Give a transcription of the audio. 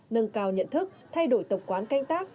nâng cao nhận thức thay đổi tập quán canh tác